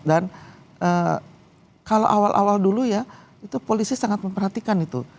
dan kalau awal awal dulu ya itu polisi sangat memperhatikan itu